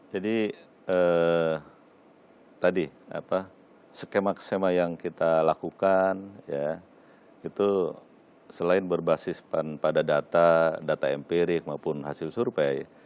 jadi tadi apa skema skema yang kita lakukan ya itu selain berbasis pada data data empirik maupun hasil survei